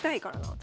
私。